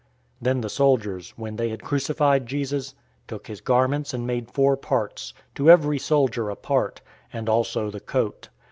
019:023 Then the soldiers, when they had crucified Jesus, took his garments and made four parts, to every soldier a part; and also the coat.